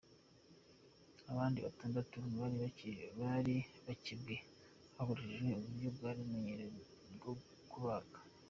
Abandi batandatu bari barakebwe hakoreshejwe uburyo bwari bumenyerewe bwo kubaga.